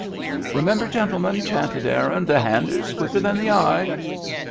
" Remember, gentlemen," chanted Aaron, " the hand is quicker than the eye."